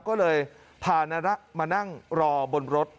ก็เลยพานาระมานั่งรอบนรถ